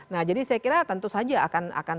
nah jadi saya kira tentu saja akan